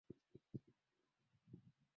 ambao kwa jumla haujaisha hata sasa Katika